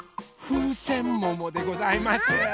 ふうせんももでございます。